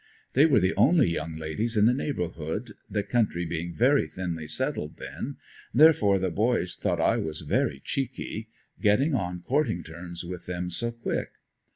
They were the only young ladies in the neighborhood, the country being very thinly settled then, therefore the boys thought I was very "cheeky" getting on courting terms with them so quick.